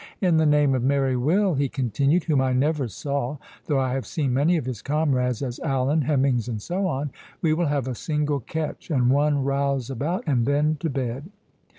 "In the name of merry Will," he continued,—"whom I never saw, though I have seen many of his comrades, as Alleyn, Hemmings, and so on,—we will have a single catch, and one rouse about, and then to bed."